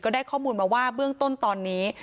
ได้ข้อมูลมาว่าเบื้องต้นตอนนี้